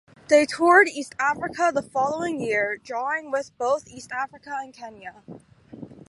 They toured East Africa the following year, drawing with both East Africa and Kenya.